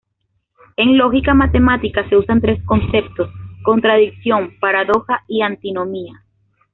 En lógica matemática se usan tres conceptos: "contradicción", "paradoja" y "antinomia".